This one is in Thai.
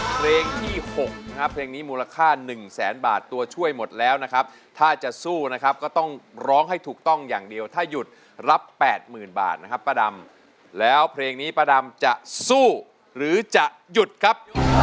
เพลงที่๖นะครับเพลงนี้มูลค่า๑แสนบาทตัวช่วยหมดแล้วนะครับถ้าจะสู้นะครับก็ต้องร้องให้ถูกต้องอย่างเดียวถ้าหยุดรับ๘๐๐๐บาทนะครับป้าดำแล้วเพลงนี้ป้าดำจะสู้หรือจะหยุดครับ